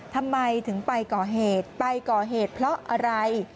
ทำไมถึงไปก่อเหตุไปก่อเหตุเพราะอะไร